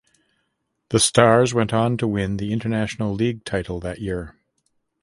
The Stars went on to win the International League title that year.